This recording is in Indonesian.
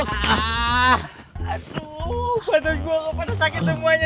aduh badan gue kok pada sakit semuanya